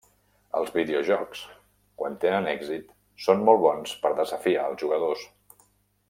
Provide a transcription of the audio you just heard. Els videojocs, quan tenen èxit, són molt bons per desafiar els jugadors.